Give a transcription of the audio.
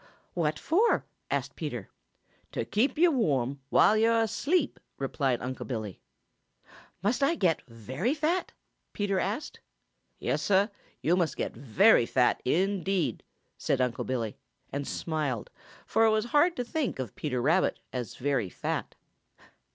"What for?" asked Peter. "To keep yo' warm while yo' are asleep," replied Unc' Billy. "Must I get very fat?" Peter asked, "Yes, Sah, yo' must get very fat indeed," said Unc' Billy, and smiled, for it was hard to think of Peter Rabbit as very fat.